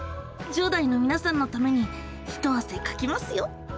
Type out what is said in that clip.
１０代のみなさんのためにひとあせかきますよ！